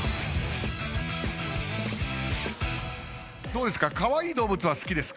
どうですか？